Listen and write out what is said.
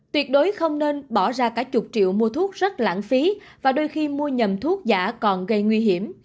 tuyệt đối không nên bỏ ra cả chục triệu mua thuốc rất lãng phí và đôi khi mua nhầm thuốc giả còn gây nguy hiểm